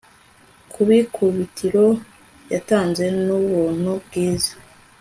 Kubikubitiro yatanze nubuntu bwiza